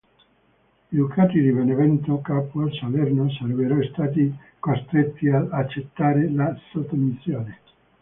I ducati di Benevento, Capua, Salerno, sarebbero stati costretti ad accettare la sottomissione.